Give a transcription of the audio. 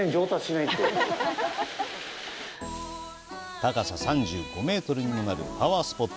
高さ３５メートルにもなるパワースポット